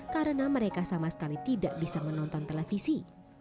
karena mereka sama sekali tidak bisa menonton televisi